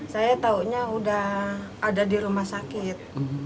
saya taunya udah ada di rumah sakit